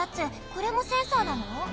これもセンサーなの？